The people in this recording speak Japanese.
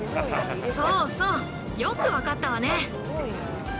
◆そうそうよく分かったわね！